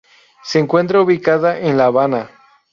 Se encuentra ubicada en La Habana.